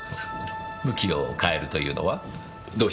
向きを変えるというのはどうしてでしょう？